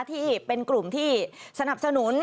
ที่เป็นกลุ่มที่สนับสนุน